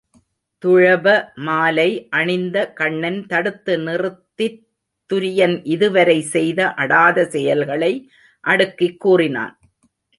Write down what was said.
துளப மாலை அணிந்த கண்ணன் தடுத்து நிறுத்தித் துரியன் இதுவரை செய்த அடாத செயல்களை அடுக்கிக் கூறினான்.